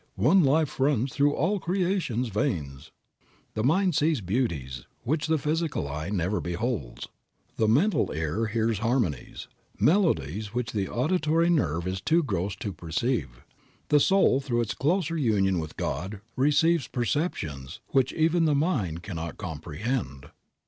"One life runs through all creation's veins." The mind sees beauties which the physical eye never beholds. The mental ear hears harmonies, melodies which the auditory nerve is too gross to perceive. The soul through its closer union with God receives perceptions which even the mind cannot comprehend.